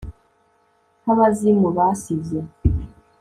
nka bazimu basize